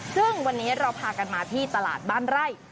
ซึ่งวันนี้เราพากันมาที่ตลาดบ้านไร่